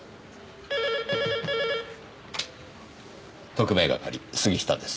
特命係杉下です。